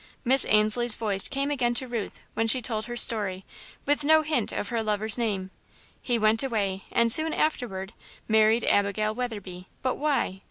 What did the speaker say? Miss Ainslie's voice came again to Ruth, when she told her story, with no hint of her lover's name. He went away, and soon afterward, married Abigail Weatherby, but why?